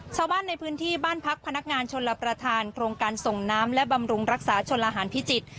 ชาวบ้านในพื้นที่บ้านพักพนักงานชนรับประทานโครงการส่งน้ำและบำรุงรักษาชนละหารพิจิตร